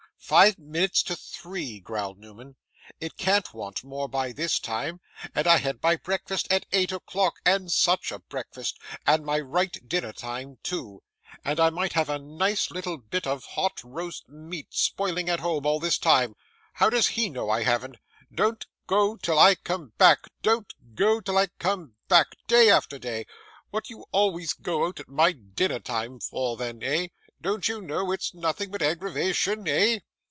'Five minutes to three,' growled Newman; 'it can't want more by this time; and I had my breakfast at eight o'clock, and SUCH a breakfast! and my right dinner time two! And I might have a nice little bit of hot roast meat spoiling at home all this time how does HE know I haven't? "Don't go till I come back," "Don't go till I come back," day after day. What do you always go out at my dinner time for then eh? Don't you know it's nothing but aggravation eh?